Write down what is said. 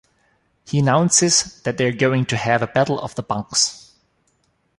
He announces that they're going to have a battle of the bunks.